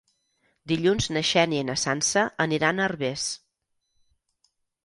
Dilluns na Xènia i na Sança aniran a Herbers.